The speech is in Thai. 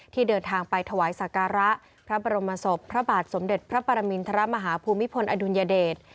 เดินทางไปถวายสักการะพระบรมศพพระบาทสมเด็จพระปรมินทรมาฮภูมิพลอดุลยเดช